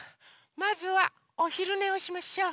まずはおひるねをしましょう！